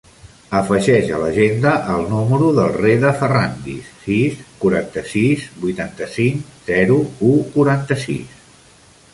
Afegeix a l'agenda el número del Reda Ferrandiz: sis, quaranta-sis, vuitanta-cinc, zero, u, quaranta-sis.